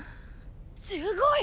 すごい！